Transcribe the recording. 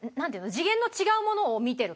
次元の違うものを見てる感じ。